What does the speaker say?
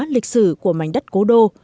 lịch sử của mảnh đất cố đô